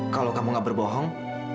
kalau kamu gak berbohong